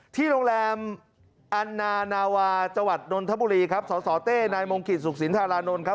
ที่โรงแรมอันนานาวาจนนทบุรีครับสเต้นายมงคิดสุขศิลป์ธารานนท์ครับ